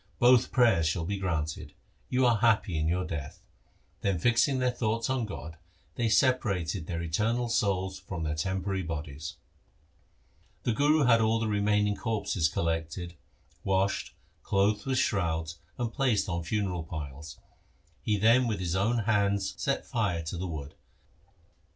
Both prayers shall be granted. You are happy in your death.' Then fixing their thoughts on God they separated their eternal souls from their temporary bodies. The Guru had all the remaining corpses collected, washed, clothed with shrouds, and placed on funeral piles. He then with his own hands set fire to the wood.